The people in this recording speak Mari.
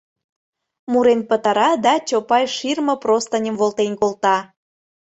Мурен пытара да Чопай ширме-простыньым волтен колта.